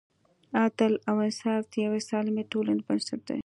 عدالت او انصاف د یوې سالمې ټولنې بنسټ دی.